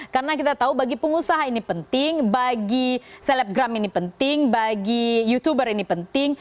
karena kita tahu bagi pengusaha ini penting bagi selebgram ini penting bagi youtuber ini penting